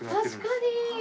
確かに！